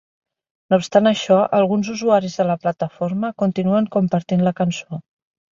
No obstant això, alguns usuaris de la plataforma continuen compartint la cançó.